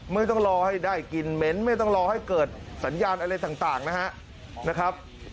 ไม่ต้องรอให้ได้กลิ่นเหม็นไม่ต้องรอให้เกิดสัญญาณอะไรต่างนะครับ